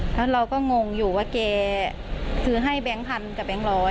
แล้วเราก็งงอยู่ว่าแกซื้อให้แบงค์พันกับแบงค์ร้อย